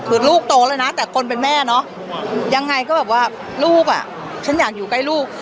คือลูกโตเลยนะแต่คนเป็นแม่เนอะยังไงก็แบบว่าลูกอ่ะฉันอยากอยู่ใกล้ลูก